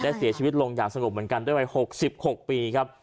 เสียชีวิตลงอย่างสงบเหมือนกันด้วยวัย๖๖ปีครับ